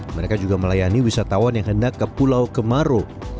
mereka juga melayani wisatawan yang hendak ke pulau kemaro